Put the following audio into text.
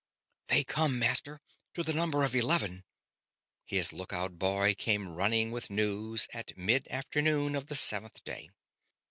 "They come, master, to the number of eleven," his lookout boy came running with news at mid afternoon of the seventh day.